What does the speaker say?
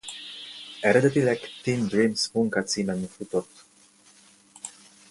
Eredetileg Tin Dreams munkacímen futott.